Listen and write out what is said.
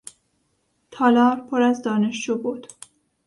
تالار پر از دانشجو بود.